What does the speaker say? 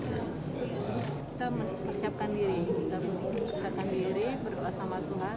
kita persiapkan diri kita persiapkan diri berdoa sama tuhan